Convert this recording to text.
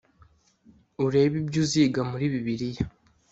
urebe ibyo uziga muri bibiliya